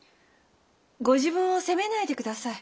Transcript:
ご自分を責めないで下さい。